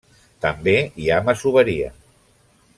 També hi ha masoveria.